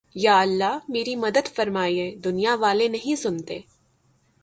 یا اللہ میری مدد فرمایہ دنیا والے نہیں سنتے